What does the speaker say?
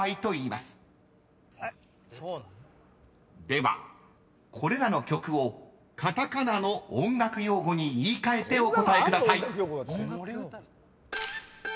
［ではこれらの曲をカタカナの音楽用語に言い換えてお答えください］